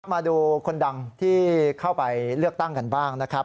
มาดูคนดังที่เข้าไปเลือกตั้งกันบ้างนะครับ